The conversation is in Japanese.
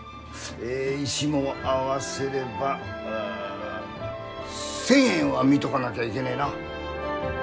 え石も合わせればう１，０００円は見とかなきゃいけねえな。